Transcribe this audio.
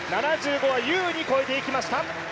７５は優に越えていきました。